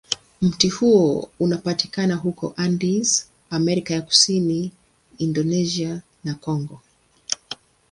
Mti huo unapatikana huko Andes, Amerika ya Kusini, Indonesia, na Kongo.